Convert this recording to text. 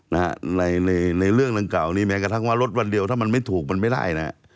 ในเรื่องนั้นเก่านี้แหม่งกระทั้งว่ารถวันเดียวถ้ามันไม่ถูกมันไม่ได้นะ